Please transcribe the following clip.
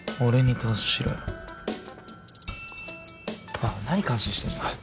おい何関心してんだよ。